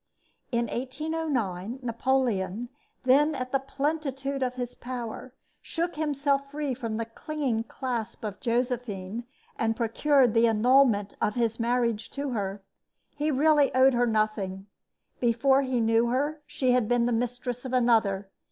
In 1809 Napoleon, then at the plenitude of his power, shook himself free from the clinging clasp of Josephine and procured the annulment of his marriage to her. He really owed her nothing. Before he knew her she had been the mistress of another.